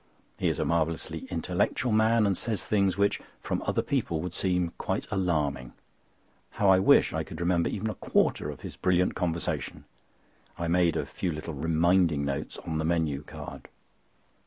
He is a marvellously intellectual man and says things which from other people would seem quite alarming. How I wish I could remember even a quarter of his brilliant conversation. I made a few little reminding notes on the menû card.